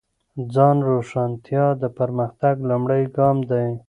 ځان روښانتیا د پرمختګ لومړی ګام دی.